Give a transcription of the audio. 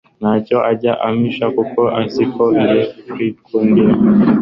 nta cyo ajya ampishya kuko azi ko jye nkwikundira